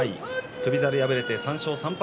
翔猿は敗れて３勝３敗。